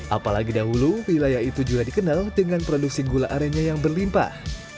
apalagi dahulu wilayah itu juga dikenal dengan produksi gula arennya yang berlimpah